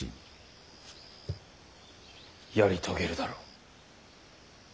やり遂げるだろう。